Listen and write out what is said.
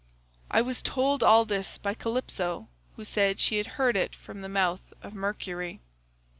"I was told all this by Calypso, who said she had heard it from the mouth of Mercury.